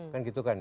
kan gitu kan ya